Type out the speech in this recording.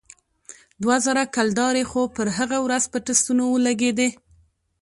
دوه زره کلدارې خو پر هغه ورځ په ټسټونو ولگېدې.